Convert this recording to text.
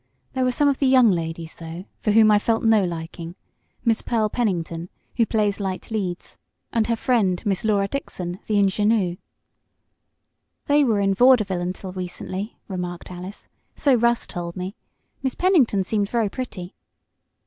There were some of the young ladies, though, for whom I felt no liking Miss Pearl Pennington, who plays light leads, and her friend, Miss Laura Dixon, the ingenue." "They were in vaudeville until recently," remarked Alice. "So Russ told me. Miss Pennington seemed very pretty."